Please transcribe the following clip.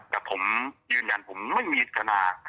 แต่ผมยืนยันผมไม่มีทนาย